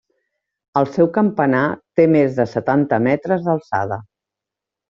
El seu campanar té més de setanta metres d'alçada.